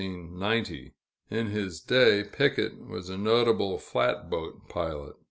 In his day, Picket was a notable flatboat pilot.